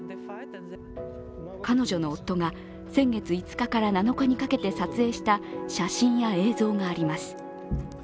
彼女の夫が先月５日から７日にかけて撮影した写真や映像があります。